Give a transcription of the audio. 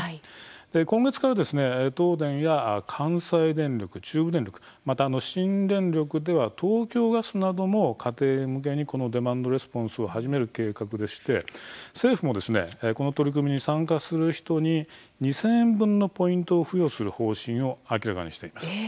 今月から、東電や関西電力中部電力、また新電力では東京ガスなども、家庭向けにこのデマンドレスポンスを始める計画でして政府も取り組みに参加する人に２０００円分のポイントを付与する方針を明らかにしています。